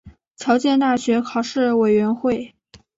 剑桥大学考试委员会